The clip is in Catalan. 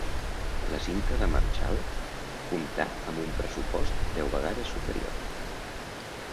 La cinta de Marchal comptà amb un pressupost deu vegades superior.